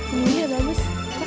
ini udah bagus